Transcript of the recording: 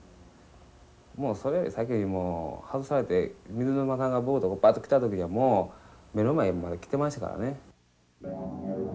もうそれよりも外されて水沼さんがボール持ってパッと来た時にはもう目の前まで来てましたからね。